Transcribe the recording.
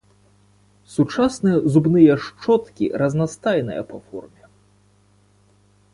Сучасныя зубныя шчоткі разнастайныя па форме.